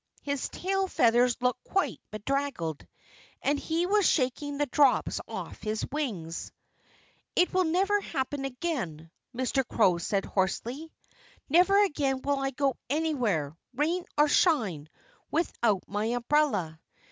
His tail feathers looked quite bedraggled. And he was shaking the drops off his wings. "It will never happen again," Mr. Crow said hoarsely. "Never again will I go anywhere, rain or shine, without my umbrella.